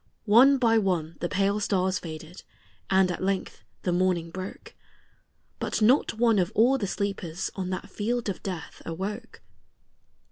One by one the pale stars faded, and at length the morning broke; But not one of all the sleepers on that field of death awoke.